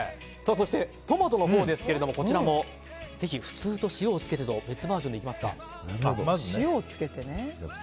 そして、トマトのほうですがこちらもぜひ普通と塩を付けてと別バージョンでいきますか。